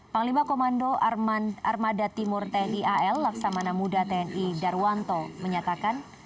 panglima komando armada timur tni al laksamana muda tni darwanto menyatakan